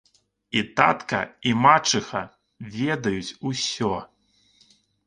І татка і мачыха ведаюць усё.